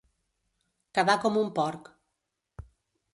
Quedar com un porc.